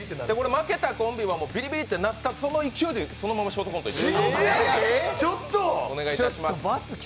負けたコンビはビリビリといったその勢いで、そのままショートコントにいってもらいます。